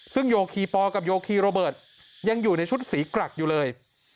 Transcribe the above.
ซึ่งโยคีปอลกับโยคีโรเบิร์ตยังอยู่ในชุดสีกรักอยู่เลย